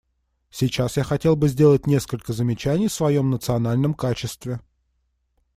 Сейчас я хотел бы сделать несколько замечаний в своем национальном качестве.